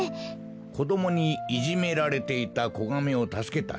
こどもにいじめられていたこガメをたすけたんじゃ。